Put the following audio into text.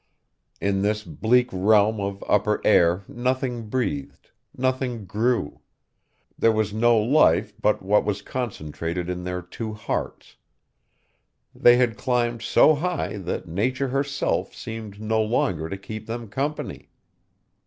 In this bleak realm of upper air nothing breathed, nothing grew; there was no life but what was concentrated in their two hearts; they had climbed so high that Nature herself seemed no longer to keep them company.